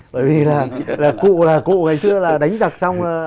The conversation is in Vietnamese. bởi vì là cụ ngày xưa là đánh giặc xong